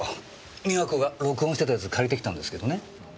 美和子が録音してたやつ借りてきたんですけどね。